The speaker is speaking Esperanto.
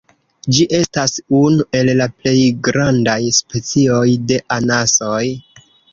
Ĝi estas unu el la plej grandaj specioj de anasoj.